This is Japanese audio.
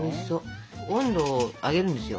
温度を上げるんですよ